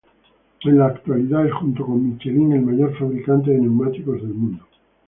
En la actualidad, es junto con Michelin el mayor fabricante de neumáticos del mundo.